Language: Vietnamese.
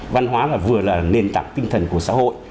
văn hóa và vừa là nền tảng tinh thần của xã hội